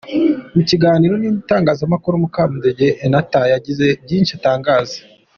Mu kiganiro n’itangazamakuru, Mukamudenge Enatha yagize byinshi atangaza.